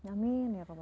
amin ya allah